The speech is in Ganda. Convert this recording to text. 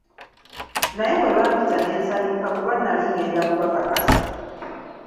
Naye bwe bampita ne nsanyuka kuba nali ngenda kubakakasa.